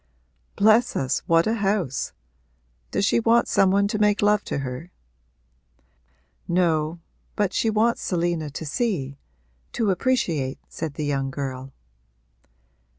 'Bless us, what a house! Does she want some one to make love to her?' 'No, but she wants Selina to see to appreciate,' said the young girl.